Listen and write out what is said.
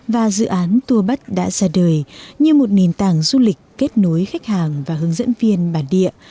và dự án tourbud đã ra đời như một nền tảng du lịch kết nối khách hàng và hướng dẫn viên bản địa